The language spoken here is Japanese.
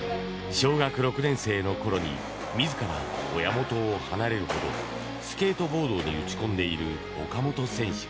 小学６年生のころに自ら親元を離れるほどスケートボードに打ち込んでいる岡本選手。